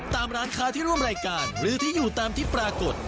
ตามร้านค้าที่ร่วมรายการหรือที่อยู่ตามที่ปรากฏ